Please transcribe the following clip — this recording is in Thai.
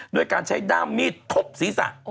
ด้วยการใช้ด้ามมีดทุบศีรษะ